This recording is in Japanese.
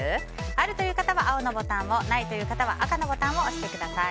あるという方は青のボタンをないという方は赤のボタンを押してください。